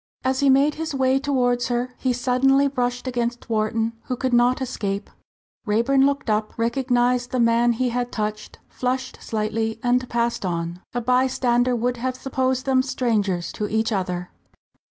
As he made his way towards her, he suddenly brushed against Wharton, who could not escape. Raeburn looked up, recognised the man he had touched, flushed slightly and passed on. A bystander would have supposed them strangers to each other.